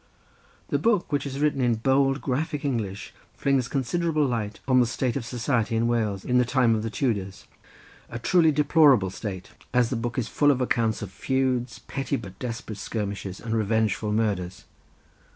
The book which is written in bold graphic English flings considerable light on the state of society in Wales, in the time of the Tudors, a truly deplorable state, as the book is full of accounts of feuds, petty but desperate skirmishes, and revengeful murders.